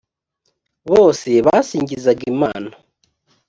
bose basingizaga imana